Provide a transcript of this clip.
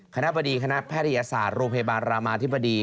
คณะบดีคณะแพทยศาสตร์โรงพยาบาลรามาธิบดี